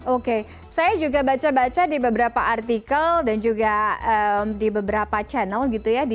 oke saya juga baca baca di beberapa artikel dan juga di beberapa channel gitu ya